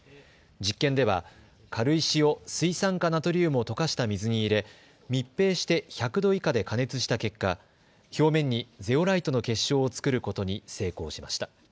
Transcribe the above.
実験では、軽石を水酸化ナトリウムを溶かした水に入れ、密閉して１００度以下で加熱した結果、表面にゼオライトの結晶を作ることに成功しました。